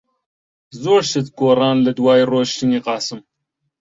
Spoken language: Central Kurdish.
زۆر شت گۆڕاون لەدوای ڕۆیشتنی قاسم.